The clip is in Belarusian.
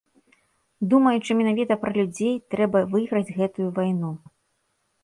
Думаючы менавіта пра людзей, трэба выйграць гэтую вайну!